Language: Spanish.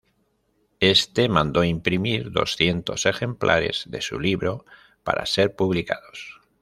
Este mandó imprimir doscientos ejemplares de su libro para ser publicados.